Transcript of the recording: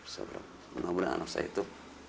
sebenarnya anak saya itu